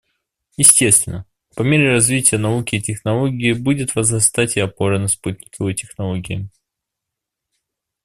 Естественно, по мере развития науки и технологии будет возрастать и опора на спутниковые технологии.